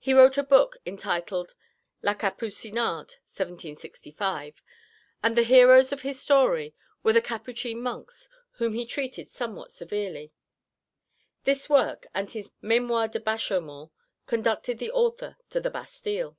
He wrote a book entitled La Capucinade (1765), and the heroes of his story are the Capuchin monks, whom he treated somewhat severely. This work and his Mémoires de Bachaumont conducted the author to the Bastille.